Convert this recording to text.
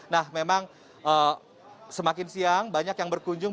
nah memang semakin siang banyak yang berkunjung